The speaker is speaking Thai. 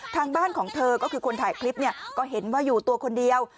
ทางบ้านของเธอก็คือคนถ่ายคลิปเนี่ยก็เห็นว่าอยู่ตัวคนเดียว